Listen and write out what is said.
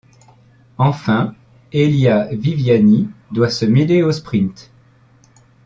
Enfin Elia Viviani doit se mêler aux sprints.